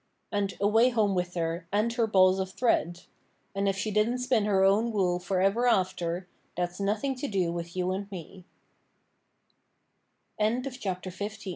And away home with her, and her balls of thread. And if she didn't spin her own wool for ever after, that's nothing to do with you and